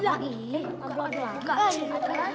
loh kok ada lagi